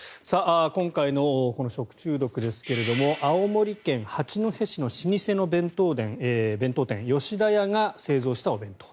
今回の食中毒ですが青森県八戸市の老舗の弁当店吉田屋が製造したお弁当。